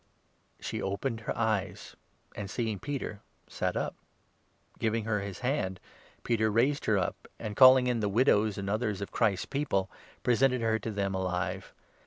She opened her eyes, and, seeing Peter, sat up. Giving her 41 his hand, Peter raised her up, and, calling in the widows and others of Christ's People, presented her to them alive.